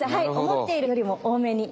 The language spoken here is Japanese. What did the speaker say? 思っているよりも多めに。